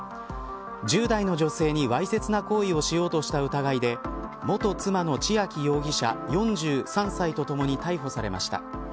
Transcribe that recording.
１０代の女性にわいせつな行為をしようとした疑いで元妻の千秋容疑者４３歳とともに逮捕されました。